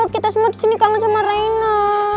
kita semua disini kangen sama reina